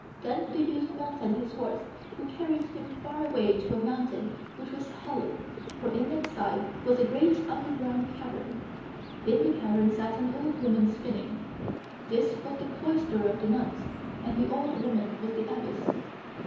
Then the youth mounted his horse, who carried him far away to a mountain which was hollow, for in its side was a great underground cavern. In the cavern sat an old woman spinning. This was the cloister of the nuns, and the old woman was the Abbess.